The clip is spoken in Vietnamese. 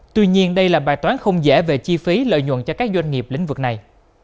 tuy nhiên đây là bài toán không dễ về chi phí lợi nhuận cho các doanh nghiệp lĩnh vực này